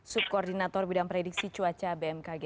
subkoordinator bidang prediksi cuaca bmkg